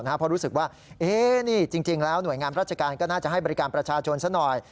เพราะรู้สึกว่านี่จริงแล้วหน่วยงานราชการก็น่าจะให้บริการประชาชนซะหน่อย